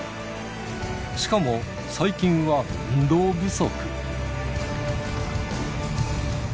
しかも最近は運動不足。